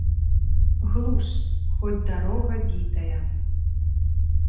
Глуш, хоць дарога бітая.